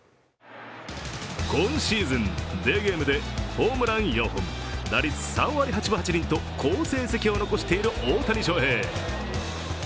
今シーズン、デーゲームでホームラン４本、打率３割８分８厘と好成績を残している大谷翔平。